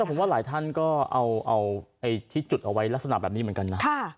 ผมว่าหลายท่านก็เอาที่จุดเอาไว้ลักษณะแบบนี้เหมือนกันนะ